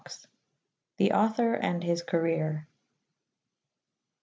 THE AUTHOR AND HIS CAREER.